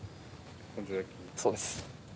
そうです。